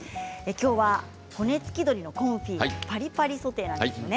きょうは骨付き鶏のコンフィパリパリソテーなんですよね。